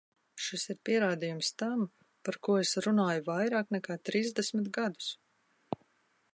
Šis ir pierādījums tam, par ko es runāju vairāk nekā trīsdesmit gadus.